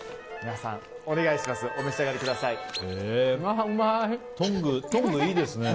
皆さんお願いします。